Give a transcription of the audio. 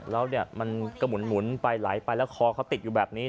แล้วเนี่ยมันก็หมุนไปไหลไปแล้วคอเขาติดอยู่แบบนี้